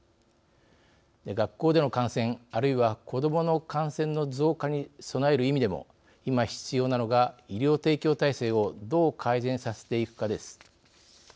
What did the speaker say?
学校での感染あるいは子どもの感染の増加に備える意味でも今必要なのが、医療提供体制をどう改善させていくかです。